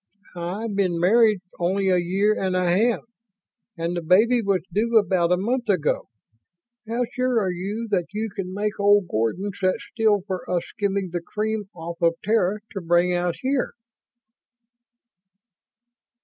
"I've been married only a year and a half, and the baby was due about a month ago. How sure are you that you can make old Gordon sit still for us skimming the cream off of Terra to bring out here?"